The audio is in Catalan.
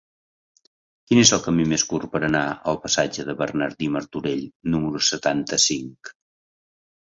Quin és el camí més curt per anar al passatge de Bernardí Martorell número setanta-cinc?